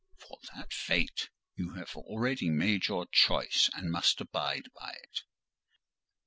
"For that fate you have already made your choice, and must abide by it."